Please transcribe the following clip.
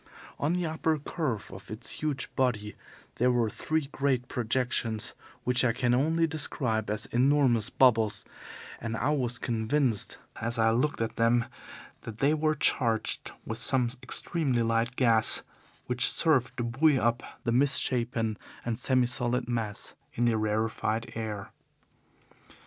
On the upper curve of its huge body there were three great projections which I can only describe as enormous bubbles, and I was convinced as I looked at them that they were charged with some extremely light gas which served to buoy up the misshapen and semi solid mass in the rarefied air.